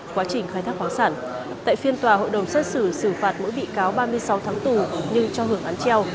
quá trình khai thác khoáng sản tại phiên tòa hội đồng xét xử xử phạt mỗi bị cáo ba mươi sáu tháng tù nhưng cho hưởng án treo